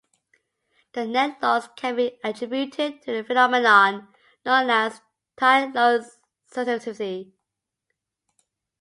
The net loss can be attributed to the phenomenon known as tire load sensitivity.